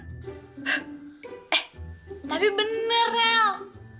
eh tapi bener rel